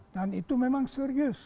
dan itu memang serius